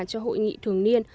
cho hội nghị thường niên